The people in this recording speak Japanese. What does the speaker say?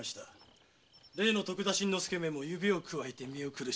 例の徳田新之助めも指をくわえて見送るしかなく。